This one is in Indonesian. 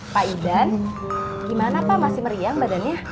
pak idan gimana pak masih meriam badannya